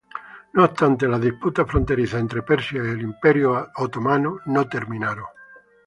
No obstante, las disputas fronterizas entre Persia y el Imperio Otomano no acabaron.